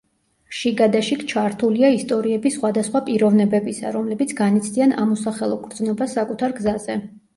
შიგადაშიგ ჩართულია ისტორიები სხვადასხვა პიროვნებებისა, რომლებიც განიცდიან ამ „უსახელო გრძნობას“ საკუთარ გზაზე.